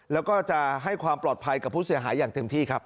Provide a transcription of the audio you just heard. แล้วก็จะให้ความปลอดภัยกับผู้เสียหายอย่างเต็มที่ครับ